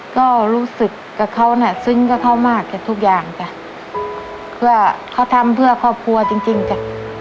ก็รู้สึกกับเขาน่ะซึ้งกับเขามากจ้ะทุกอย่างจ้ะเพื่อเขาทำเพื่อครอบครัวจริงจริงจ้ะ